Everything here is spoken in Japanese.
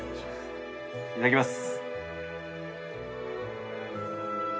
いただきます。